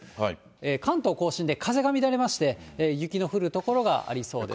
関東甲信で風が乱れまして、雪の降る所がありそうです。